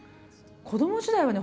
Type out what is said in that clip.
子ども時代はね